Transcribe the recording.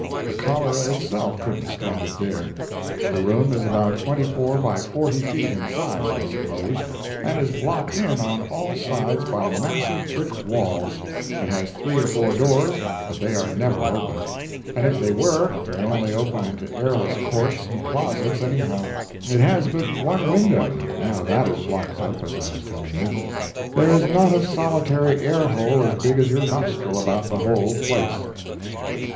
The cholera itself couldn't stand it there. The room is about 24 x 40 feet in size, I suppose, and is blocked in on all sides by massive brick walls; it has three or four doors, but they are never opened—and if they were they only open into airless courts and closets anyhow; it has but one window, and now that is blocked up, as I was telling you; there is not a solitary air hole as big as your nostril about the whole place.